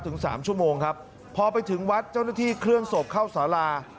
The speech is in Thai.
สามชั่วโมงครับพอไปถึงวัดเจ้าหน้าที่เคลื่อนศพเข้าสารา